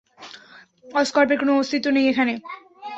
অসকর্পের কোনো অস্তিত্বই নেই এখানে।